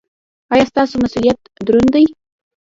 ایا ستاسو مسؤلیت دروند دی؟